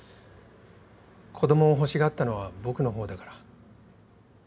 子供を欲しがったのは僕のほうだから。